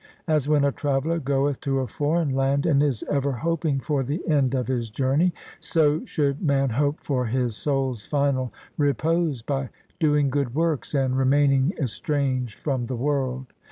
As when a traveller goeth to a foreign land and is ever hoping for the end of his journey, so should man hope for his soul's final repose by doing good works and remaining estranged from the world.